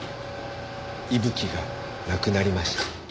伊吹が亡くなりました。